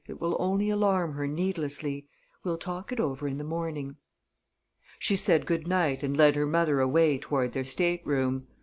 It will only alarm her needlessly. We'll talk it over in the morning." She said good night, and led her mother away toward their stateroom.